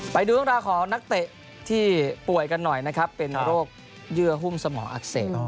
ไปดูเรื่องราวของนักเตะที่ป่วยกันหน่อยนะครับเป็นโรคเยื่อหุ้มสมองอักเสบ